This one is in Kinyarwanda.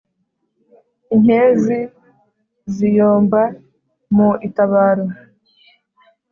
Inkezi ziyomba mu itabaro.